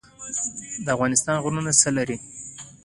د افغانستان غرونه څه لري؟